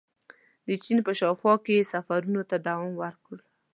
• د چین په شاوخوا کې یې سفرونو ته دوام ورکړ.